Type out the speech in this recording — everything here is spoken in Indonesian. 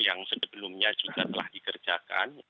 yang sebelumnya juga telah dikerjakan